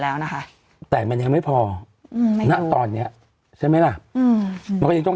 แล้วนะคะแต่มันยังไม่พออืมณตอนเนี้ยใช่ไหมล่ะอืมมันก็ยังต้อง